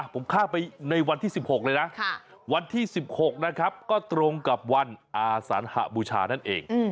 ผมข้ามไปในวันที่๑๖เลยนะวันที่๑๖นะครับก็ตรงกับวันอาสันหบูชานั่นเอง